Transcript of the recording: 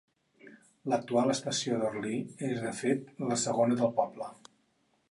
L'actual estació de Horley és, de fet, la segona del poble.